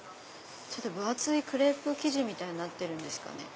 分厚いクレープ生地みたいになってるんですかね。